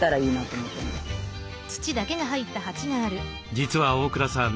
実は大倉さん